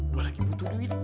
gue lagi butuh duit